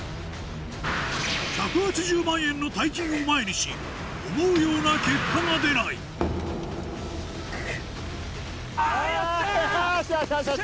１８０万円の大金を前にし思うような結果が出ないよっしゃ！